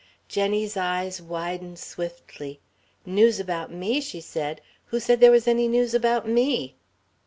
Jenny's eyes widened swiftly. "News about me?" she said. "Who said there was any news about me?"